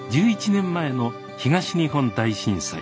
１１年前の東日本大震災。